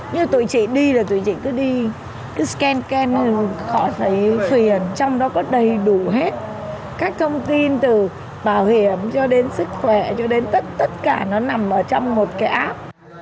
nhưng mà tụi chị đi là tụi chị cứ đi cứ scan scan họ thấy phiền trong đó có đầy đủ hết các thông tin từ bảo hiểm cho đến sức khỏe cho đến tất cả nó nằm trong một cái app